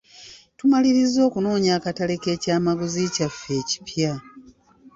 Tumalirizza okunoonya akatale k'ekyamaguzi kyaffe ekipya.